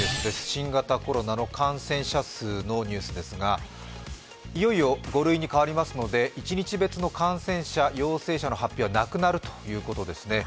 新型コロナの感染者数のニュースですが、いよいよ５類に変わりますので一日別の感染者、陽性者の発表はなくなるということですね。